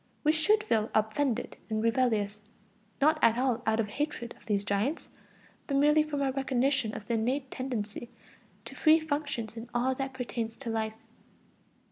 We should feel offended and rebellious, not at all out of hatred of these giants, but merely from our recognition of the innate tendency to free functions in all that pertains to life.